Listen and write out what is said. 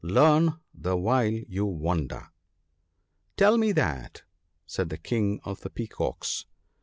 Learn, the while you wonder.' *" Tell me that," said the King of the Peacocks.